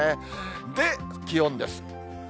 で、気温です。